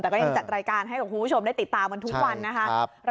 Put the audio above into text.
แต่ก็ยังจัดรายการให้กับคุณผู้ชมได้ติดตามกันทุกวันนะคะ